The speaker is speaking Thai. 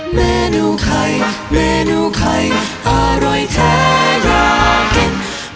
เมนูไข่เมนูไข่อร่อยแท้อยากกิน